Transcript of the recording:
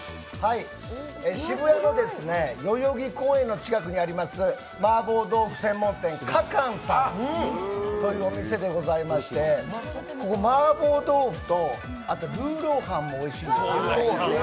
渋谷の代々木公園の近くにあります、麻婆豆腐専門店かかんさんというお店でございましてここマーボー豆腐と魯肉飯もおいしいんです。